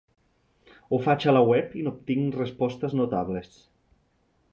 Ho faig a la web i n'obtinc respostes notables.